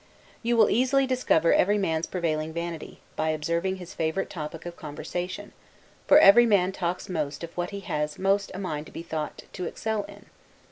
You will easily discover every man's prevailing vanity, by observing his favorite topic of conversation; for every man talks most of what he has most a mind to be thought to excel in.